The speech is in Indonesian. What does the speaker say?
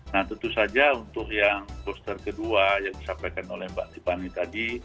nah tentu saja untuk yang booster kedua yang disampaikan oleh mbak tiffany tadi